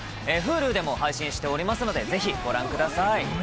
Ｈｕｌｕでも配信しておりますので、ぜひご覧ください。